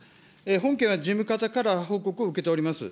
本件は事務方から報告を受けております。